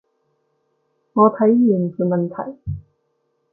我睇完條問題